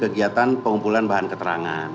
kegiatan pengumpulan bahan keterangan